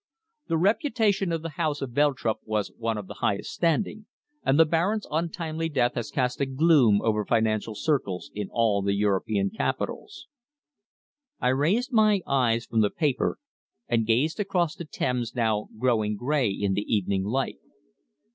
The reputation of the house of Veltrup was one of the highest standing, and the Baron's untimely death has cast a gloom over financial circles in all the European capitals." I raised my eyes from the paper and gazed across the Thames now growing grey in the evening light.